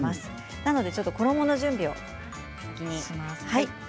なので衣の準備を先にします。